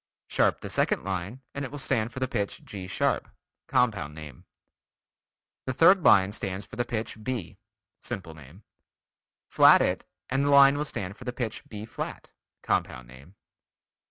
Sharp the second line and it will stand for the pitch G sharp. (Compound name.) The third line stands for the pitch B. (Simple name.) Flat it, and the line will stand for the pitch B flat. (Compound name.)